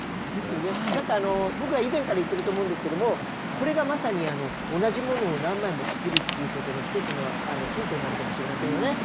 僕は以前から言ってると思うんですけどもこれがまさに同じ物を何枚も作るっていうことの１つのヒントになるかもしれませんよね。